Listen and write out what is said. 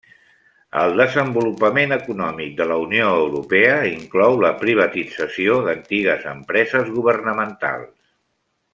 El desenvolupament econòmic de la Unió Europea inclou la privatització d'antigues empreses governamentals.